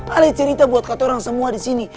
ada cerita buat kata orang semua di sini